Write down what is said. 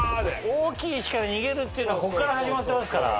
大きい石から逃げるっていうのはここから始まってますから。